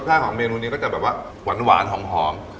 ของเมนูนี้ก็จะแบบว่าหวานหอม